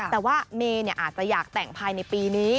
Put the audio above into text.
แต่ว่าเมย์อาจจะอยากแต่งภายในปีนี้